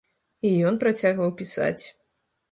І ён працягваў пісаць.